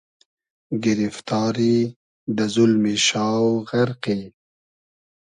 گیریفتاری , دۂ زولمی شاو غئرقی